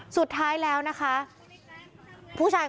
สุดท้ายแล้วนะคะ